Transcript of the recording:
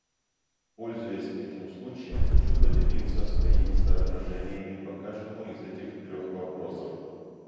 Пользуясь этим случаем, хочу поделиться своими соображениями по каждому из этих трех вопросов.